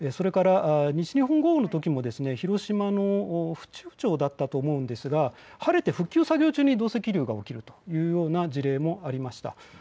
西日本豪雨のときも広島だったと思うんですが晴れて復旧作業中に土石流が起きるという事例もありました。